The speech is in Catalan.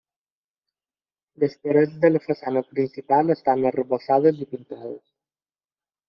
Les parets de la façana principal estan arrebossades i pintades.